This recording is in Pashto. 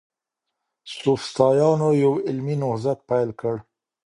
سوفسطائيانو يو علمي نهضت پيل کړ.